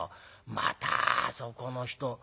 またあそこの人ええ？